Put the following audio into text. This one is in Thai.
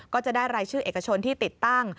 ก็จะได้รายชื่อเอกชนที่ติดตั้ง